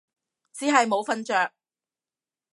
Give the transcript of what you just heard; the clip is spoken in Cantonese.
只係冇瞓着